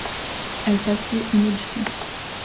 Elle passait une audition.